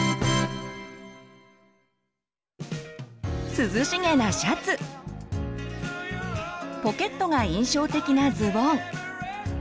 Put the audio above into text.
涼しげなシャツポケットが印象的なズボン